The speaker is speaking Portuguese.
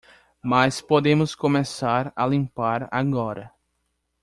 Mas podemos começar a limpar agora.